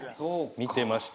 見てまして。